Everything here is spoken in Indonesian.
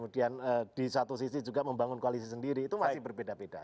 di satu sisi juga membangun koalisi sendiri itu masih berbeda beda